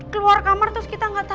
keluar kamar terus kita gak tau